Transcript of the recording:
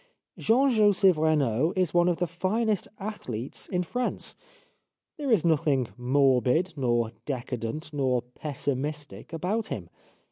Jean Joseph Renaud is one of the finest athletes in France. There is nothing morbid, nor de cadent, nor pessimistic about him.